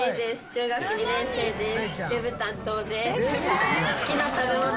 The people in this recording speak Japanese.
中学２年生です。